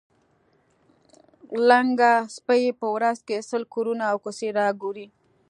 لنګه سپۍ په ورځ کې سل کورونه او کوڅې را ګوري.